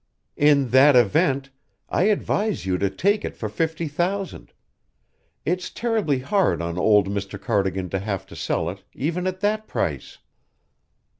"In that event, I advise you to take it for fifty thousand. It's terribly hard on old Mr. Cardigan to have to sell it, even at that price."